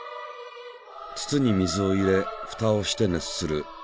筒に水を入れふたをして熱する。